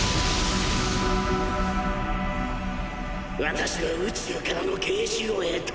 私は宇宙からの啓示を得た。